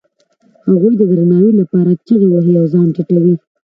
هغوی د درناوي لپاره چیغې وهي او ځان ټیټوي.